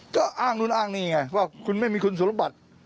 ก็อ้างนู่นอ้างนี่ไงว่าคุณไม่มีคุณสมบัติ